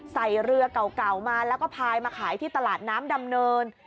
ใส่เรือเก่ามาแล้วก็พายมาขายที่ตลาดน้ำดำเนิน